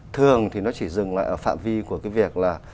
thường thì nó chỉ dừng lại ở phạm vi của cái việc là